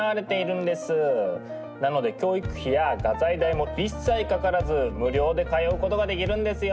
なので教育費や画材代も一切かからず無料で通うことができるんですよ。